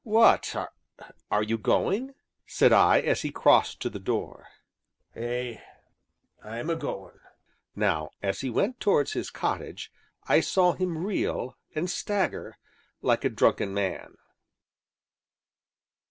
"What are you going?" said I, as he crossed to the door. "Ay, I'm a goin'." Now, as he went towards his cottage, I saw him reel, and stagger, like a drunken man.